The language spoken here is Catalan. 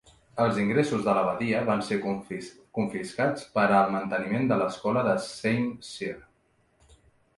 Els ingressos de l'abadia van ser confiscats per al manteniment de l'escola de Saint-Cyr.